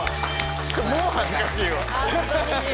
もう恥ずかしいわ。